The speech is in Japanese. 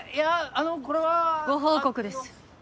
あのこれはご報告です